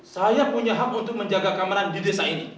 saya punya hak untuk menjaga keamanan di desa ini